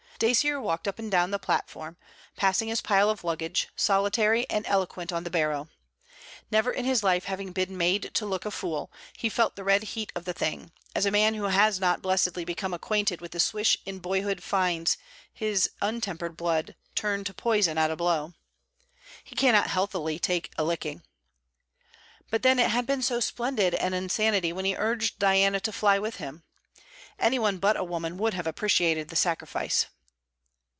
Dacier walked up and down the platform, passing his pile of luggage, solitary and eloquent on the barrow. Never in his life having been made to look a fool, he felt the red heat of the thing, as a man who has not blessedly become acquainted with the swish in boyhood finds his untempered blood turn to poison at a blow; he cannot healthily take a licking. But then it had been so splendid an insanity when he urged Diana to fly with him. Any one but a woman would have appreciated the sacrifice.